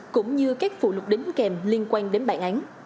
cũng như các phụ lục đính kèm liên quan đến bản án